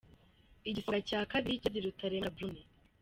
Igisonga cya Kabiri: Kirezi Rutaremara Brune.